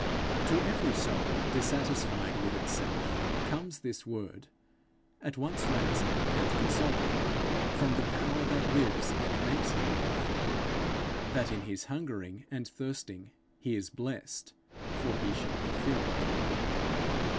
To every soul dissatisfied with itself, comes this word, at once rousing and consoling, from the Power that lives and makes him live that in his hungering and thirsting he is blessed, for he shall be filled.